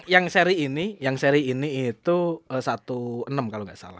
yang seri ini itu enam belas kalau gak salah